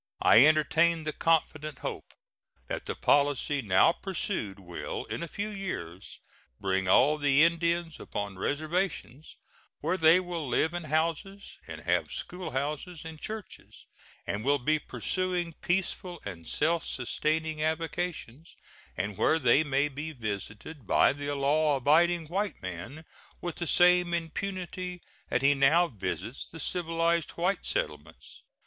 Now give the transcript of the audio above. I entertain the confident hope that the policy now pursued will in a few years bring all the Indians upon reservations, where they will live in houses, and have schoolhouses and churches, and will be pursuing peaceful and self sustaining avocations, and where they may be visited by the law abiding white man with the same impunity that he now visits the civilized white settlements.